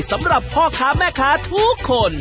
สำหรับพ่อค้าแม่ค้าทุกคน